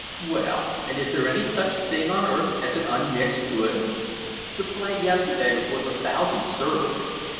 "Well, and is there any such thing on earth as an unmixed good? The play yesterday was worth a thousand sermons.